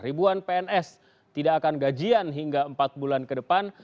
ribuan pns tidak akan gajian hingga empat bulan ke depan